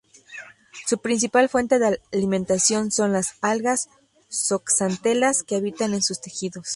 Su principal fuente de alimentación son las algas zooxantelas que habitan en sus tejidos.